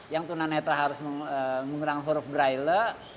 yang tunanetra harus mengurangi huruf braille